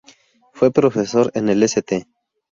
Fue profesor en el St.